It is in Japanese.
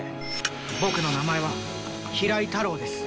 僕の名前は平井太郎です。